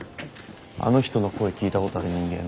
あの人の声聞いたことある人間